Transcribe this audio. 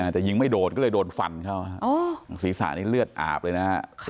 แต่ยิงไม่โดดก็เลยโดนฟันเข้าศีรษะนี่เลือดอาบเลยนะฮะ